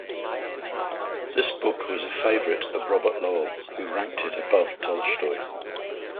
This book was a favorite of Robert Lowell, who ranked it above Tolstoy.